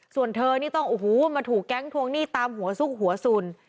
ส่วนเธอนี่ต้องโอ้โหมาถูกแก๊งทวงหนี้ตามหัวซุกหัวสุน